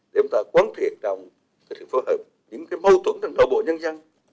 để chúng ta quấn thiện trong sự phối hợp những mâu thuẫn trong đội bộ nhân dân